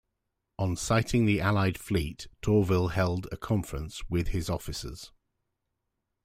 On sighting the allied fleet Tourville held a conference with his officers.